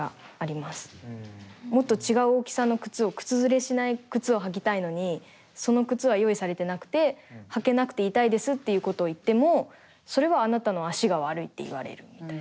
もっと違う大きさの靴を靴擦れしない靴を履きたいのにその靴は用意されてなくて履けなくて痛いですっていうことを言ってもそれはあなたの足が悪いって言われるみたいな。